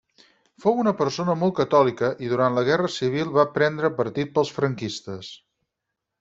Fou una persona molt catòlica i durant la Guerra Civil va prendre partit pels franquistes.